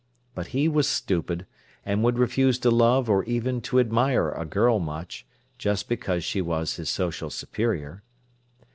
But he was stupid, and would refuse to love or even to admire a girl much, just because she was his social superior.